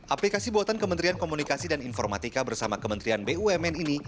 aplikasi buatan kementerian komunikasi dan informatika bersama kementerian bumn ini